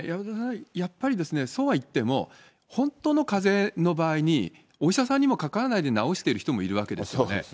やっぱりですね、そうはいっても、本当のかぜの場合に、お医者さんにもかからないで治している人もいるわけですよね。